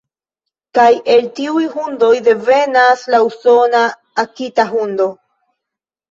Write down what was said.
Kaj el tiuj hundoj devenas la usona akita-hundo.